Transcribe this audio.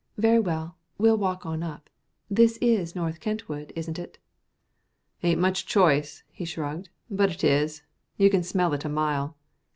"Very well, we'll walk on up. This is North Kentwood, isn't it?" "Ain't much choice," he shrugged, "but it is. You can smell it a mile.